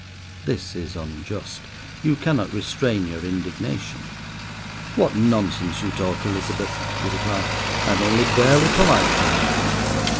This is unjust. You cannot restrain your indignation. "What nonsense you talk, Elizabeth," you reply; "I am only barely polite to her."